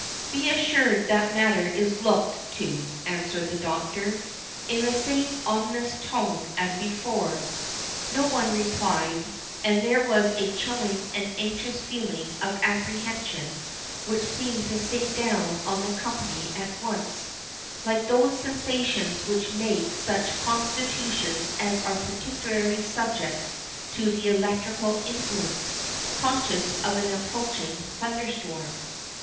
"Be assured, that matter is looked to," answered the Doctor, in the same ominous tone as before. No one replied, and there was a chilling and anxious feeling of apprehension which seemed to sink down on the company at once, like those sensations which make such constitutions as are particularly subject to the electrical influence, conscious of an approaching thunder storm.